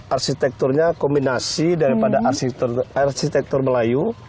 arsitekturnya kombinasi daripada arsitektur melayu